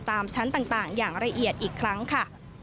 ตามชั้นต่างอย่างละเอียดอีกครั้งค่ะ